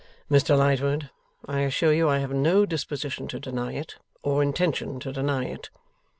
'Mr Lightwood, I assure you I have no disposition to deny it, or intention to deny it.